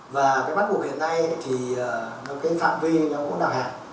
và cái bắt buộc hiện nay thì cái phạm vi nó cũng đào hạn